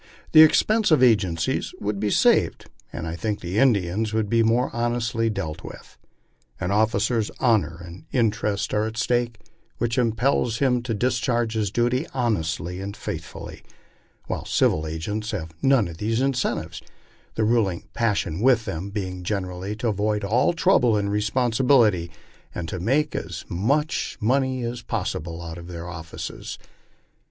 The expense of agencies would be saved, and I think the Indians would be more honestly dealt by. An officer's honor and interest are at stake, which impels him to discharge his duty honestly and faithfully, while civil agents have none of these incentives, the ruling passion with them being generally to avoid all trouble and responsibility and to make as much 122 LIFE ON THE PLAINS. money as possible out of their offices.